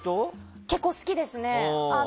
結構好きですね。